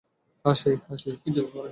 হ্যাঁ, সে-ই।